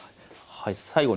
はい。